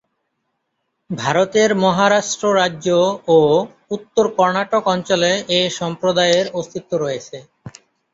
ভারতের মহারাষ্ট্র রাজ্য ও উত্তর কর্ণাটক অঞ্চলে এই সম্প্রদায়ের অস্তিত্ব রয়েছে।